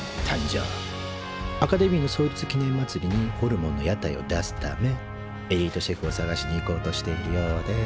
アカデミーの創立記念まつりにホルモンの屋台を出すためエリートシェフを探しに行こうとしているようです